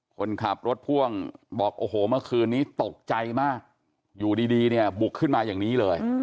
คนขับรถพ่วงบอกโอ้โหเมื่อคืนนี้ตกใจมากอยู่ดีเนี่ยบุกขึ้นมาอย่างนี้เลย